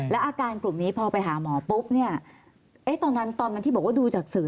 แล้วอาการกลุ่มนี้พอไปหาหมอปุ๊บตอนนั้นที่บอกว่าดูจากสื่อ